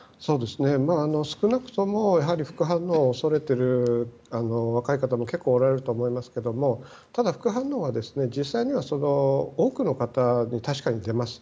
少なくとも副反応を恐れている若い方も結構おられると思いますけどただ副反応は実際には多くの方に確かに出ます。